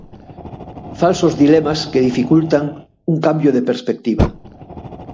Falsos dilemas que dificultan un cambio de perspectiva.